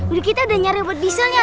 jadi kita udah nyari obat bisulnya